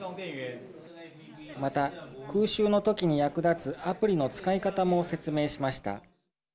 また、空襲のときに役立つアプリの使い方も説明しました。